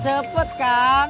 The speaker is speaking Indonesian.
ya udah kang